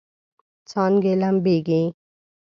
څانګې لمبیږي